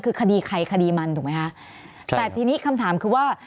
คือคดีใครคดีมันถูกไหมคะแต่ทีนี้คำถามคือว่า